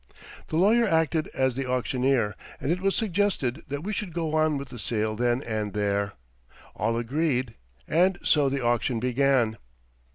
The lawyer acted as the auctioneer, and it was suggested that we should go on with the sale then and there. All agreed, and so the auction began.